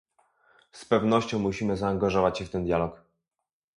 z pewnością musimy zaangażować się w ten dialog